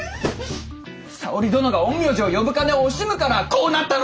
沙織殿が陰陽師を呼ぶ金を惜しむからこうなったのじゃ！